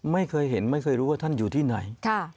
ไม่เคยเห็นไม่เคยรู้ว่าท่านอยู่ที่ไหน